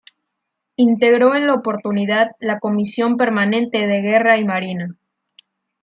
Integró en la oportunidad la Comisión permanente de Guerra y Marina.